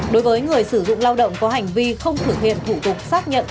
đối với người sử dụng lao động có hành vi không thực hiện thủ tục xác nhận